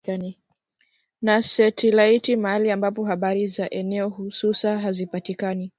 na setilaiti Mahali ambapo habari za eneo hususa hazipatikani